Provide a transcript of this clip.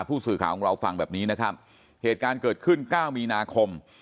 ผู้สื่อข่าวของเราฟังแบบนี้นะครับเหตุการณ์เกิดขึ้นเก้ามีนาคม